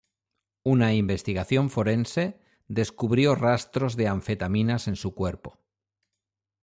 Una investigación forense descubrió rastros de anfetaminas en su cuerpo.